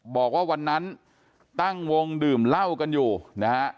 บอกว่าวันนั้นตั้งวงดื่มเหล้ากันอยู่นะฮะ